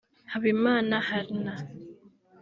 Habimana Harna